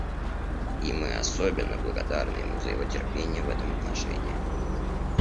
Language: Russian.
И мы особенно благодарны ему за его терпение в этом отношении.